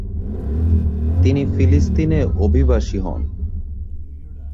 তিনি ফিলিস্তিনে অভিবাসী হন।